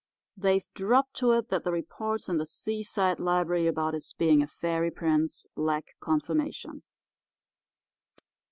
They've dropped to it that the reports in the Seaside Library about his being a fairy prince lack confirmation.